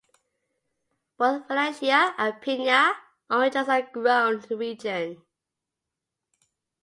Both Valencia and Pina oranges are grown in the region.